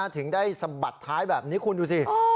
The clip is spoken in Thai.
ถึงได้สะบัดท้ายแบบนี้คุณดูสิ